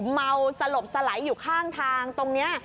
เมาสลบสไหลอยู่ข้างทางตรงนี้